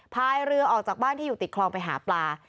พายเรือออกจากบ้านที่อยู่ติดคลองไปหาปลา